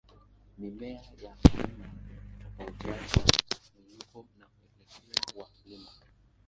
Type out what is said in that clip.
Mimea ya mlima hutofautiana na mwinuko na mwelekeo wa mlima.